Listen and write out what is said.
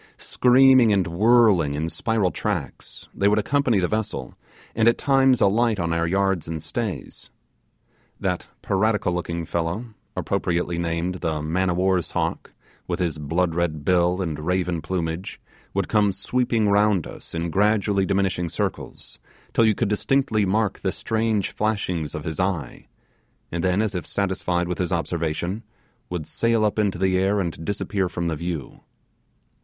Screaming and whirling in spiral tracks, they would accompany the vessel, and at times alight on our yards and stays. That piratical looking fellow, appropriately named the man of war's hawk, with his blood red bill and raven plumage, would come sweeping round us in gradually diminishing circles, till you could distinctly mark the strange flashings of his eye; and then, as if satisfied with his observation, would sail up into the air and disappear from the view.